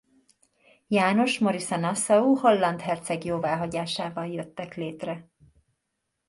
János Maurice a Nassau holland herceg jóváhagyásával jöttek létre.